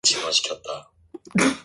다시 해봐.